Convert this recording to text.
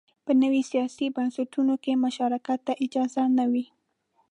په نویو سیاسي بنسټونو کې مشارکت ته اجازه نه وه